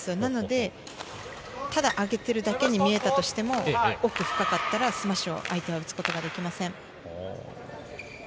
ただ上げているだけに見えたとしても、奥深かったら相手はスマッシュを打つことはできません。